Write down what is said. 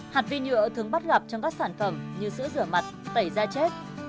hạt vi nhựa thường bắt gặp trong các sản phẩm như sữa rửa mặt tẩy da chết